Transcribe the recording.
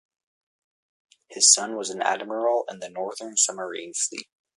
His son was an admiral in the Northern Submarine Fleet.